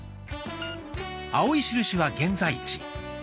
青い印は現在地。